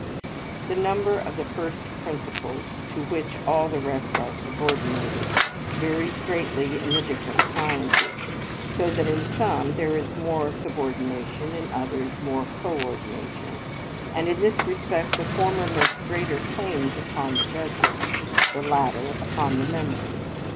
The number of the first principles to which all the rest are subordinated, varies greatly in the different sciences, so that in some there is more subordination, in others more co ordination; and in this respect, the former make greater claims upon the judgment, the latter upon the memory.